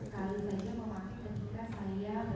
caption bebas ya